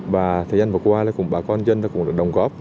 và thời gian vừa qua bà con dân cũng được đồng góp